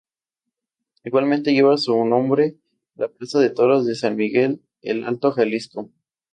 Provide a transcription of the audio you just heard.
Igualmente lleva su nombre la plaza de toros de San Miguel el Alto, Jalisco.